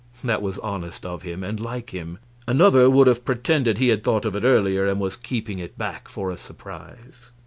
That was honest of him, and like him; another would have pretended he had thought of it earlier, and was keeping it back for a surprise.